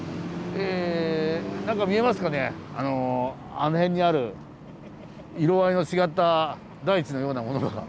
あの辺にある色合いの違った大地のようなものが。